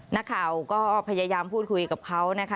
นักข่าวก็พยายามพูดคุยกับเขานะคะ